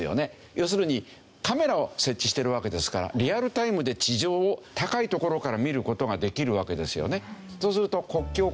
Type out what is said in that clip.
要するにカメラを設置してるわけですからリアルタイムで地上を高い所から見る事ができるわけですよね。